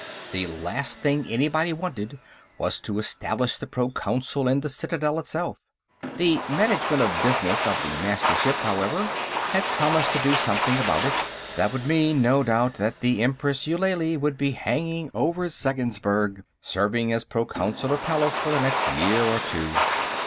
The last thing anybody wanted was to establish the Proconsul in the Citadel itself. The Management of Business of the Mastership, however, had promised to do something about it. That would mean, no doubt, that the Empress Eulalie would be hanging over Zeggensburg, serving as Proconsular Palace, for the next year or so.